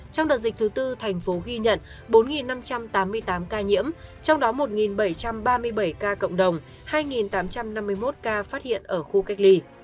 trong đợt dịch thứ tư thành phố ghi nhận bốn năm trăm tám mươi tám ca nhiễm trong đó một bảy trăm ba mươi bảy ca cộng đồng hai tám trăm năm mươi một ca phát hiện ở khu cách ly